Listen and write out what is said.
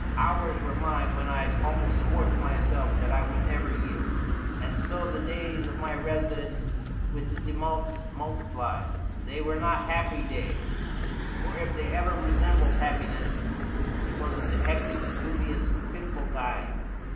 Hours were mine when I almost swore to myself that I would never yield. .. And so the days of my residence with the Demottes multiplied. They were not happy days, or, if they ever resembled happiness, it was of the hectic, dubious, fitful kind.